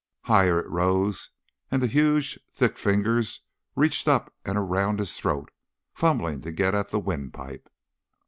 Higher it rose, and the huge, thick fingers reached up and around his throat, fumbling to get at the windpipe.